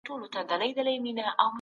کمپيوټر رېسټور پوائنټ جوړوي.